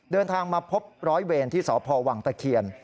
เดินทางมาพบร้อยเวรที่สพวังตะเคียน